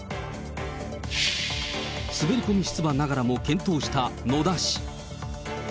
滑り込み出馬ながらも検討した野田氏。